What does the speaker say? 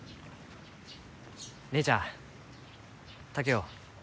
姉ちゃん竹雄。